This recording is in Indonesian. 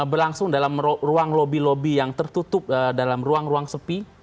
berlangsung dalam ruang lobby lobby yang tertutup dalam ruang ruang sepi